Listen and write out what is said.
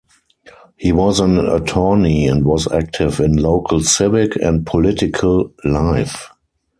He was an attorney and was active in local civic and political life.